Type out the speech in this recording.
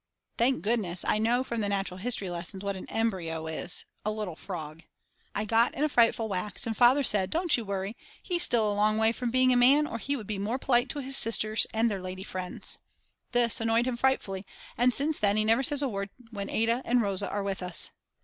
Thank goodness I know from the natural history lessons what an embryo is, a little frog; "I got in a frightful wax and Father said: Don't you worry, he's still a long way from being a man or he would be more polite to his sisters and their lady friends." This annoyed him frightfully, and since then he never says a word when Ada and Rosa are with us.